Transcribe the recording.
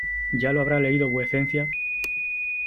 ¿ ya lo habrá leído vuecencia ?